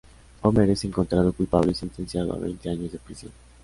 Homer es encontrado culpable y sentenciado a veinte años de prisión.